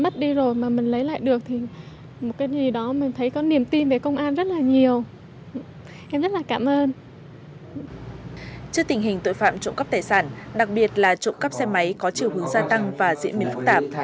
trước tình hình tội phạm trộm cắp tài sản đặc biệt là trộm cắp xe máy có chiều hướng gia tăng và diễn biến phức tạp